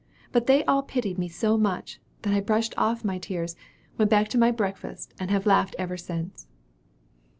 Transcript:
But they all pitied me so much, that I brushed off my tears, went back to my breakfast, and have laughed ever since."